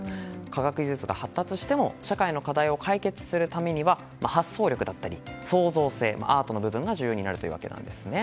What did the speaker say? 科学技術が発達しても社会の課題を解決するためには発想力だったり創造性Ａｒｔの部分が重要になるということです。